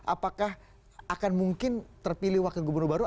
apakah akan mungkin terpilih wakil gubernur baru